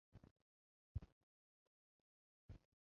七世雪谦冉江仁波切是他的外孙。